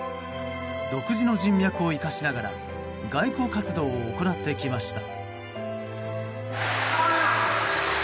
独自の人脈を生かしながら外交活動を行ってきました。